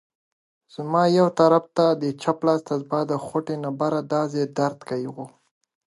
دا کتاب د ادبیاتو د نړۍ یو تلپاتې او بې مثاله شاهکار دی.